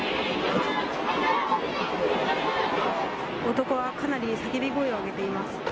男はかなり叫び声を上げています。